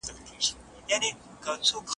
ځینې مشکوک عملیات د خلکو پام واړاوه.